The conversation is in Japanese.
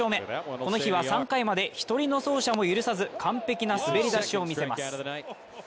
この日は３回まで１人の走者も許さず、完璧な滑り出しを見せます。